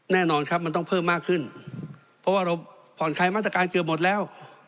แน่นอนครับมันต้องเพิ่มมากขึ้นเพราะว่าเราผ่อนคลายมาตรการเกือบหมดแล้ว